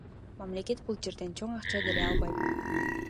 Мамлекет бул жерден чоң акча деле албайт.